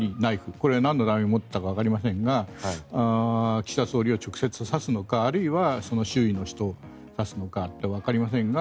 これはなんのために持っていたかわかりませんが岸田総理を直接刺すのかあるいは、周囲の人を刺すのかわかりませんが